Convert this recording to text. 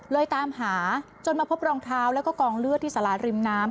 ตามหาจนมาพบรองเท้าแล้วก็กองเลือดที่สาราริมน้ำ